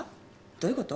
どういうこと？